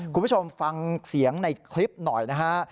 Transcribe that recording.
คุณผู้ชมฟังเสียงในคลิปหน่อยนะฮะ